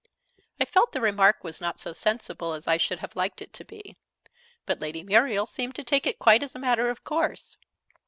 I felt the remark was not so sensible as I should have liked it to be. But Lady Muriel seemed to take it quite as a matter of course.